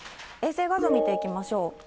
衛星画像見ていきましょう。